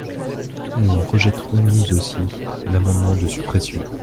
Nous rejetterons, nous aussi, l’amendement de suppression.